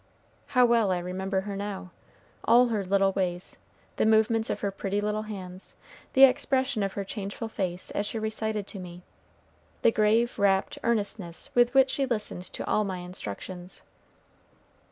How well I remember her now, all her little ways, the movements of her pretty little hands, the expression of her changeful face as she recited to me, the grave, rapt earnestness with which she listened to all my instructions!